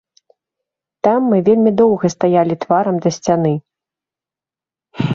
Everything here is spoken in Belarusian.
Там мы вельмі доўга стаялі тварам да сцяны.